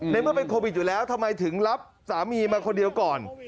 ในเมื่อเป็นโควิดอยู่แล้วทำไมถึงรับสามีมาคนเดียวก่อน